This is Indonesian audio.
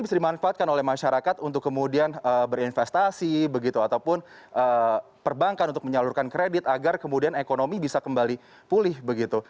bisa dimanfaatkan oleh masyarakat untuk kemudian berinvestasi begitu ataupun perbankan untuk menyalurkan kredit agar kemudian ekonomi bisa kembali pulih begitu